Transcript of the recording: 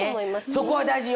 そこは大事よ！